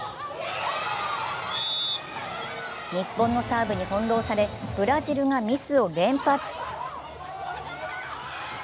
日本のサーブに翻弄され、ブラジルがミスを連発。